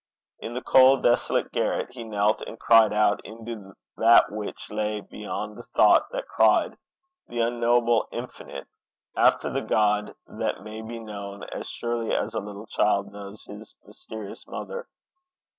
In the cold, desolate garret, he knelt and cried out into that which lay beyond the thought that cried, the unknowable infinite, after the God that may be known as surely as a little child knows his mysterious mother.